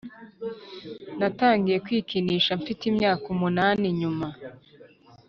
Natangiye kwikinisha mfite imyaka umunani Nyuma